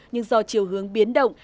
nhưng do chiều hướng biến động